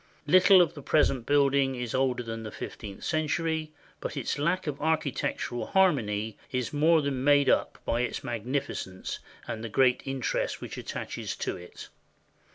Little of the present building is older than the fifteenth century; but its lack of architectural har mony is more than made up by its magnificence and the great interest which attaches to it.